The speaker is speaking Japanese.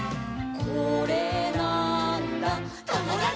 「これなーんだ『ともだち！』」